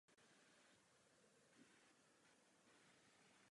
To přispěje k nalezení řešení.